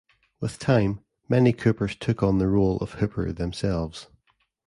With time, many Coopers took on the role of the Hooper themselves.